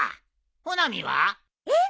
穂波は？えっ！？